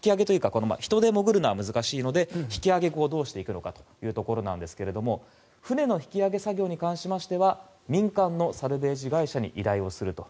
人で潜るのは難しいので引き揚げをどうしていくのかということですが船の引き揚げ作業に関しましては民間のサルベージ会社に依頼すると。